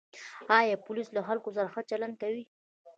آیا پولیس له خلکو سره ښه چلند کوي؟